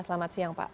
selamat siang pak